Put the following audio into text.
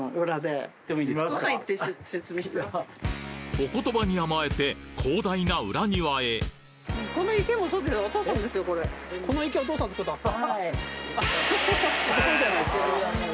お言葉に甘えて広大な裏庭へすごいじゃないですか。